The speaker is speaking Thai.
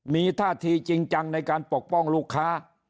มีท่าทีจริงจังในการปกป้องลูกค้า